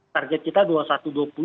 target kita rp dua satu ratus dua puluh